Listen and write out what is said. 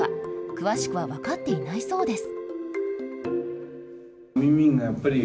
詳しくは分かっていないそうです。